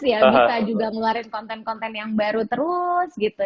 ya bisa juga ngeluarin konten konten yang baru terus gitu